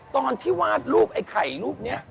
ตอนที่วาดรูปไอ้ไข่รูปนี้